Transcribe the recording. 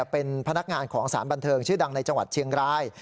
เป็นพนักงานของสารบันเทิงชื่อดังในจังหวัดเชียงราย